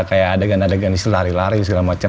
ada adegan adegan lari lari segala macam